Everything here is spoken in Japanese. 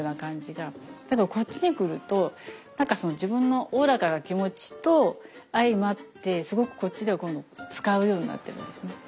だけどこっちに来ると自分のおおらかな気持ちと相まってすごくこっちでは今度使うようになってるんですね。